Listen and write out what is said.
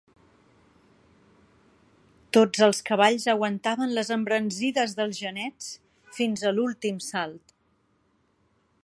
Tots els cavalls aguantaven les embranzides dels genets fins a l'últim salt.